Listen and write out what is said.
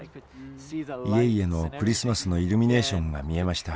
家々のクリスマスのイルミネーションが見えました。